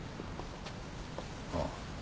ああ。